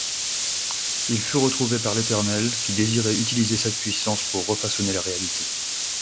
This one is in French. Il fut retrouvé par l’Éternel qui désirait utiliser sa puissance pour refaçonner la réalité.